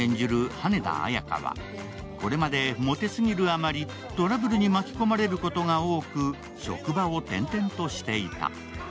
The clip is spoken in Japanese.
羽田綾華はこれまでモテすぎるあまりトラブルに巻き込まれることが多く、職場を転々としていた。